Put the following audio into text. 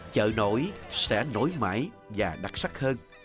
chợ nổi sẽ nổi mãi và đặc sắc hơn